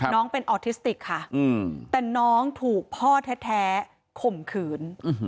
น้องเป็นออทิสติกค่ะแต่น้องถูกพ่อแท้ข่มขืน